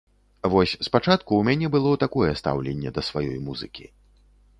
Вось спачатку ў мяне было такое стаўленне да сваёй музыкі.